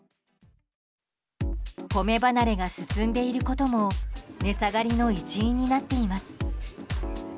米離れが進んでいることも値下がりの一因になっています。